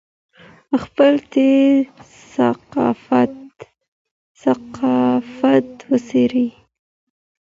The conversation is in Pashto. خپل تېر ثقافت وڅېړي